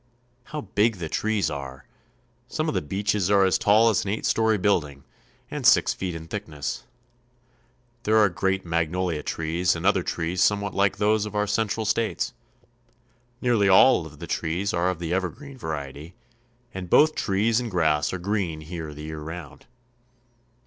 How big the trees are! Some of the beeches are as tall as an eight story building, and six feet in thickness. There are great magnolia trees and other trees somewhat like those of our central states. Nearly all of the trees are of the evergreen variety, and both trees and grass are green here the year round.